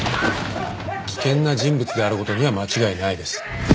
危険な人物である事には間違いないです。